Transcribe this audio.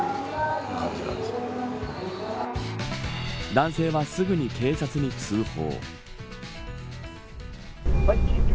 男性はすぐに警察に通報。